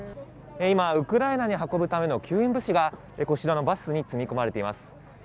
今、ウクライナに運ぶための救援物資が、こちらのバスに積み込まれています。